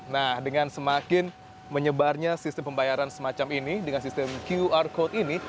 nah dengan semakin menyebarnya sistem pembayaran semacam ini dengan sistem qr code ini